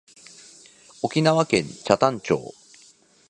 沖縄県北谷町